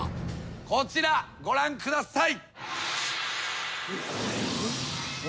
こちらご覧ください。